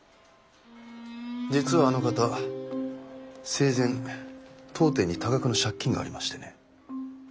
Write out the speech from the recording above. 実はあの方生前当店に多額の借金がありましてね。